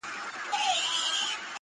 • كبرجن وو ځان يې غوښـتى پــه دنـيـا كي؛